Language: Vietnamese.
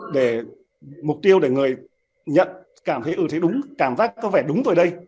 để mục tiêu để người nhận cảm thấy ưu thế đúng cảm giác có vẻ đúng với đây